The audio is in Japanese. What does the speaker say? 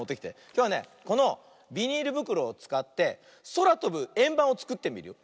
きょうはねこのビニールぶくろをつかってそらとぶえんばんをつくってみるよ。